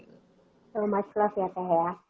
so much love ya teh ya